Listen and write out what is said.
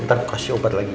ntar kasih obat lagi ya